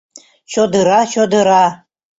Чодыра, чодыра!